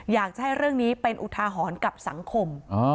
อยากจะให้เรื่องนี้เป็นอุทาหรณ์กับสังคม